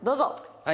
はい。